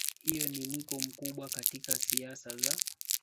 hivyo ni mwiko mkubwa katika siasa za